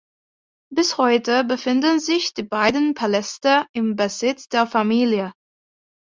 Bis heute befinden sich die beiden Paläste im Besitz der Familie.